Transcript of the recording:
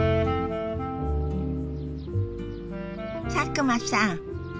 佐久間さん